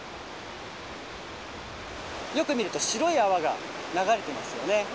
よく見ると白い泡が流れていますよね。